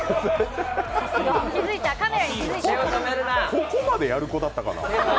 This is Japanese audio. ここまでやる子だったかな。